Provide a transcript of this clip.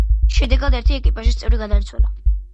შედეგად ერთი ეკიპაჟის წევრი გარდაიცვალა.